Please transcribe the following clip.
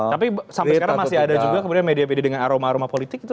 tapi sampai sekarang masih ada juga kemudian media media dengan aroma aroma politik itu